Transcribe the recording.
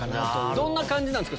どんな感じなんですか？